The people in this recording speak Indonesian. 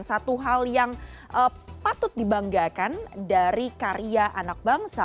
satu hal yang patut dibanggakan dari karya anak bangsa